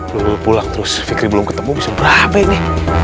nunggu pulang terus fikri belum ketemu bisa berapa ini